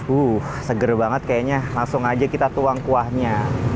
uh seger banget kayaknya langsung aja kita tuang kuahnya